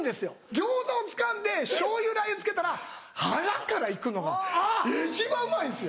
餃子をつかんで醤油ラー油つけたら腹から行くのが一番うまいんですよ。